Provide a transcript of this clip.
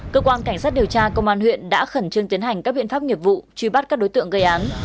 cơ quan cảnh sát điều tra công an huyện đã khẩn trương tiến hành các biện pháp nghiệp vụ truy bắt các đối tượng gây án